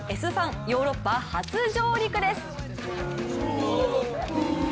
ヨーロッパ初上陸です。